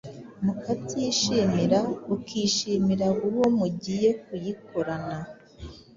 mukabyishimira, ukishimira uwo mugiye kuyikorana